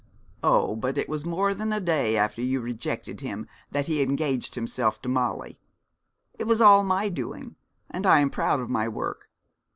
'Oh, but it was more than a day after you rejected him that he engaged himself to Molly. It was all my doing, and I am proud of my work.